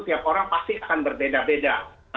tiap orang pasti akan berbeda beda